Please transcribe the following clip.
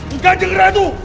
buka jenggera itu